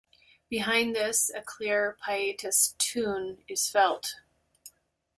Behind this a clear pietist tune is felt.